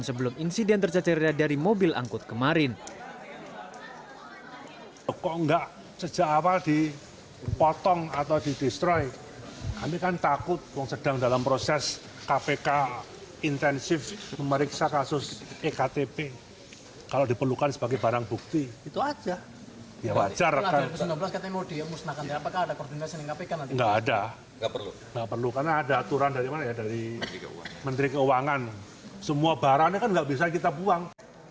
sebelum insiden tercacera dari mobil angkut kemarin